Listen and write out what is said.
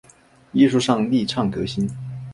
艺术上力倡革新